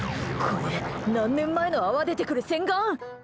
これ何年前の泡出てくる洗顔？